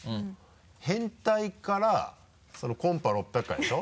変態からコンパ６００回でしょ？